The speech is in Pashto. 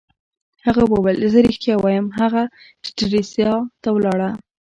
هغه وویل: زه ریښتیا وایم، هغه سټریسا ته ولاړه.